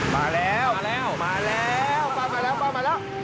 มาแล้วมาแล้วมาแล้วมาแล้วมาแล้วมาแล้ว